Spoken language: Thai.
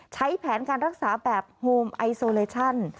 ใช้แผนการรักษาแบบโฮมไอโซเลชั่น